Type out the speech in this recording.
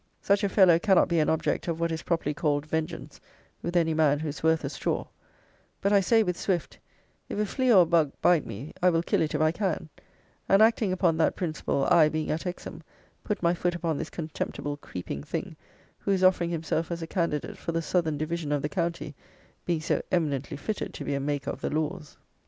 Such a fellow cannot be an object of what is properly called vengeance with any man who is worth a straw; but, I say, with SWIFT, "If a flea or a bug bite me, I will kill it if I can;" and, acting upon that principle, I, being at Hexham, put my foot upon this contemptible creeping thing, who is offering himself as a candidate for the southern division of the county, being so eminently fitted to be a maker of the laws!